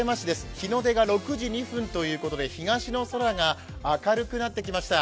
日の出が６時２分ということで、東の空が明るくなってきました。